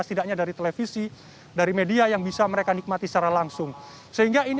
setidaknya dari televisi dari media yang bisa mereka nikmati secara langsung sehingga ini